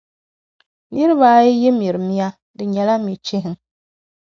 Niriba ayi yi mira mia di nyɛla mia chihiŋ.